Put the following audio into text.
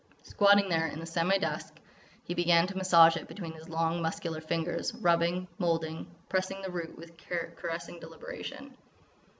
Squatting there in the semi dusk, he began to massage it between his long, muscular fingers, rubbing, moulding, pressing the root with caressing deliberation.